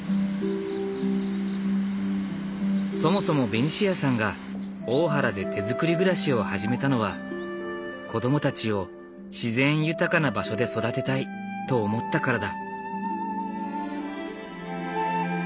そもそもベニシアさんが大原で手づくり暮らしを始めたのは子供たちを自然豊かな場所で育てたいと思ったからだ。